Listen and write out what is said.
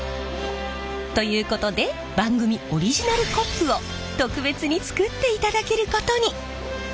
ということで番組オリジナルコップを特別に作っていただけることに！